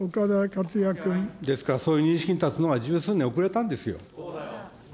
ですから、そういう認識に立つのは十数年遅れたんですよ。